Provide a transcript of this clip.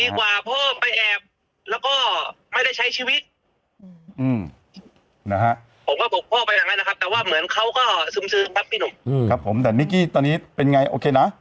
ซึมซึมครับพี่หนุ่มครับผมแต่นิกกี้ตอนนี้เป็นไงโอเคนะ